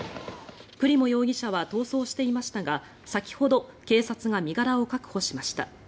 クリモ容疑者は逃走していましたが先ほど警察が身柄を確保しました。